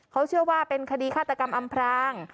เขาเชื่อว่าเป็นคดีฆาตกรรมอำพราง